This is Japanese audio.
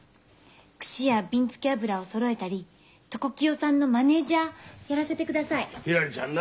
くしやびんつけ油をそろえたり床清さんのマネージャーやらせてください。ひらりちゃんな。